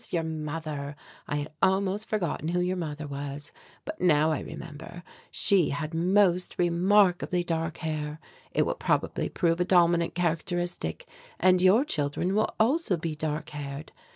your mother. I had almost forgotten who your mother was, but now I remember, she had most remarkably dark hair. It will probably prove a dominant characteristic and your children will also be dark haired.